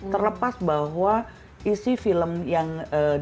terlepas bahwa isi film yang di